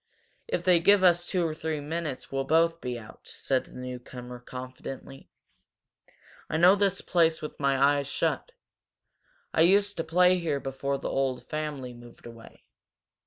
"If they give us two or three minutes we'll both get out," said the newcomer, confidently. "I know this place with my eyes shut. I used to play here before the old family moved away.